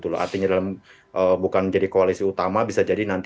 artinya dalam bukan menjadi koalisi utama bisa jadi nanti